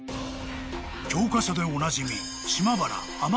［教科書でおなじみ］